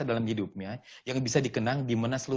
nggak gampang tahun ini lho saya atau pernah dipilih